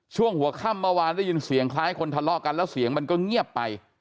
ช่วงหัวค่ำเมื่อวานได้ยินเสียงคล้ายคนทะเลาะกันแล้วเสียงมันก็เงียบไป